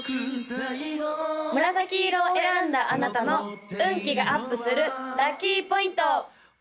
紫色を選んだあなたの運気がアップするラッキーポイント！